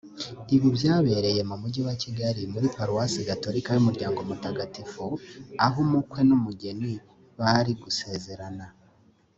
Ibi byabereye mu Mujyi wa Kigali muri Paruwasi Gatolika y’Umuryango Mutagatifu aho umukwe n’umugeni bari gusezerana